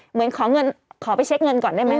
เหมือนขอเงินขอไปเช็คเงินก่อนได้ไหม